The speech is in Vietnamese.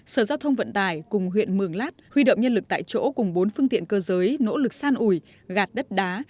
sở giao thông vận tải cùng huyện mường lát huy động nhân lực tại chỗ cùng bốn phương tiện cơ giới nỗ lực san ủi gạt đất đá